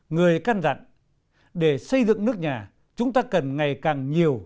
người căn dặn để xây dựng nước nhà chúng ta cần ngày càng nhiều